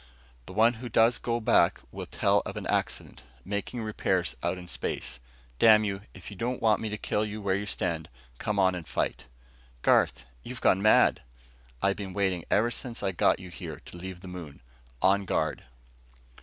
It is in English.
The one who goes back will tell of an accident, making repairs out in space. Damn you, if you don't want me to kill you where you stand, come on and fight." "Garth, you've gone mad." "I've been waiting ever since I got you to leave the moon. On guard!"